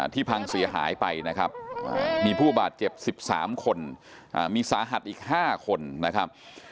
พังเสียหายไปนะครับมีผู้บาดเจ็บ๑๓คนมีสาหัสอีก๕คนนะครับ